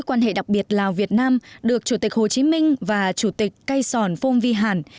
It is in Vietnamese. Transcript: quan hệ đặc biệt lào việt nam được chủ tịch hồ chí minh và chủ tịch cây sòn phong vi hàn